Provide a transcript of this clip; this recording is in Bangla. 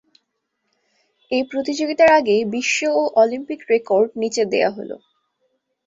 এই প্রতিযোগিতার আগে বিশ্ব ও অলিম্পিক রেকর্ড নিচে দেওয়া হল।